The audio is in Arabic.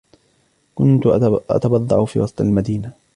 كنت أتبضع في وسط المدينة.